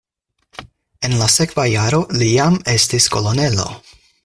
En la sekva jaro li jam estis kolonelo.